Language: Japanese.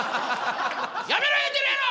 やめろ言うてるやろ！